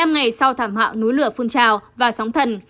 năm ngày sau thảm mỏ núi lửa phun trào vào sóng thần